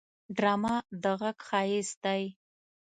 ډرامه د غږ ښايست دی